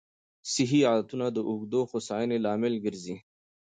صحي عادتونه د اوږدې هوساینې لامل ګرځي.